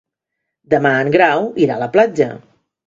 Demà en Grau irà a la platja.